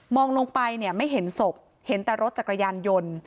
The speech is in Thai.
ลงไปเนี่ยไม่เห็นศพเห็นแต่รถจักรยานยนต์